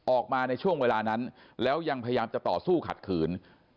ออกมาในช่วงเวลานั้นแล้วยังพยายามจะต่อสู้ขัดขืน